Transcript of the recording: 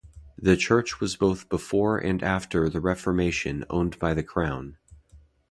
The church was both before and after the Reformation owned by the Crown.